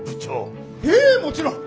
ええもちろん！